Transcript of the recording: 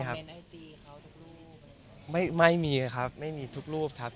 ก็มีไปคุยกับคนที่เป็นคนแต่งเพลงแนวนี้